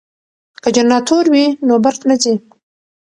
که جنراتور وي نو برق نه ځي.